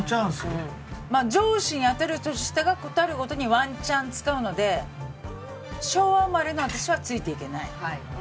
上司に当たる年下が事あるごとにワンチャンを使うので昭和生まれの私はついていけない。